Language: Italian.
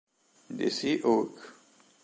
The Sea Hawk